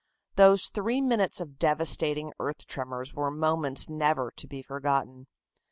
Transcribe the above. Those three minutes of devastating earth tremors were moments never to be forgotten.